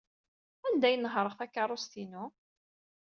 Anda ay nehhṛeɣ takeṛṛust-inu?